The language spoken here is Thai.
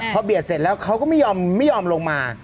พอเบียดเสร็จแล้วเขาก็ไม่ยอมลงมา